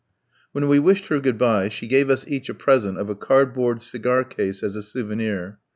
When we wished her "good bye," she gave us each a present of a cardboard cigar case as a souvenir.